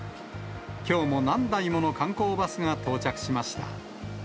きょうも何台もの観光バスが到着しました。